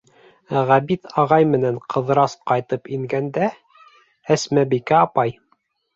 Ғәбит ағай менән Ҡыҙырас ҡайтып ингәндә, Әсмәбикә апай: